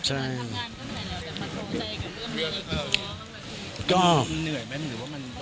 ทำงานก็ไม่เหนื่อยหรือว่ามันเข้าใจกับเรื่องมันอีกก็